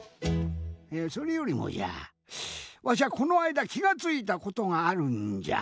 それよりもじゃわしゃこのあいだきがついたことがあるんじゃ。